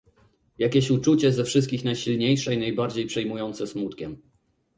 "Jakieś uczucie ze wszystkich najsilniejsze i najbardziej przejmujące smutkiem."